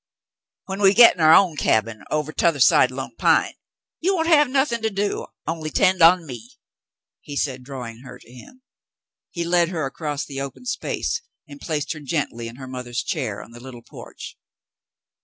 "When we git in our own cabin ovah t'othah side Lone Pine, you won't have nothin' to do only tend on me," he said, drawing her to him. He led her across the open space and placed her gently in her mother's chair on the little porch.